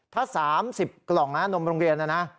ถ้า๓๐กล่องนะนมโรงเรียนนะนะ